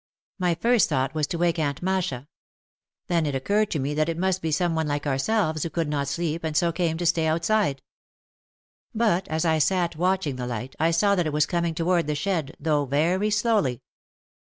My first thought was to wake Aunt Masha. Then it occurred to me that it must be some one like ourselves who could not sleep and so came to stay outside. But as I sat watching the light I saw that it was coming toward the shed, though very slowly.